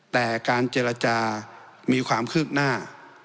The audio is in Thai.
แต่การเจรจามีความคืบหน้า